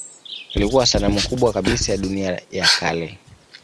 Ilikuwa sanamu kubwa kabisa ya dunia ya kale.